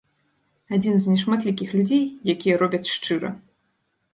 Адзін з нешматлікіх людзей, якія робяць шчыра.